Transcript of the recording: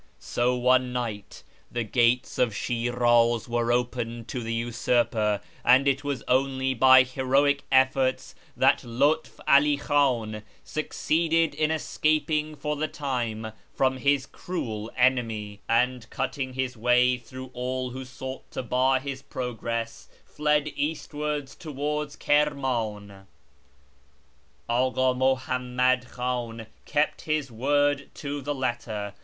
So one night the gates of Shiraz were opened to the usurper; and it was only by heroic efforts that Lutf 'All Khan succeeded in escaping for the time from his cruel enemy, and, cutting his way through all who sought to bar his progress, fled eastwards towards Kirman. Aka Muhammad Khan kept his word to the letter.